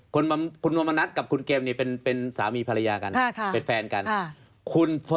คุณนวมณัฐกับคุณเกมนี่เป็นสามีภรรยากันเป็นแฟนกัน